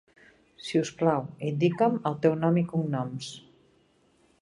Si us plau, indica'm el teu nom i cognoms.